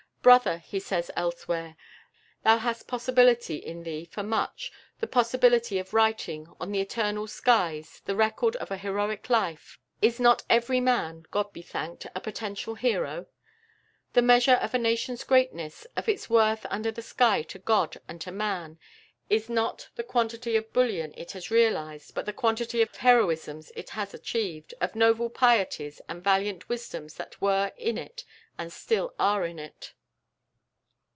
"Brother," he says elsewhere, "thou hast possibility in thee for much, the possibility of writing on the eternal skies the record of a heroic life. Is not every man, God be thanked, a potential hero? The measure of a nation's greatness, of its worth under the sky to God and to man, is not the quantity of bullion it has realised, but the quantity of heroisms it has achieved, of noble pieties and valiant wisdoms that were in it, that still are in it."